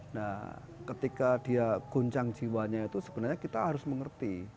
nah ketika dia guncang jiwanya itu sebenarnya kita harus mengerti